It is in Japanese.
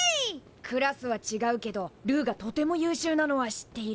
クラスはちがうけどルーがとても優秀なのは知っている。